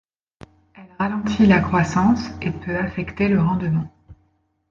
Elle ralentit la croissance et peut affecter le rendement.